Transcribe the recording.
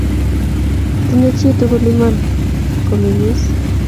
Tinyei chi tugul iman kumen'gis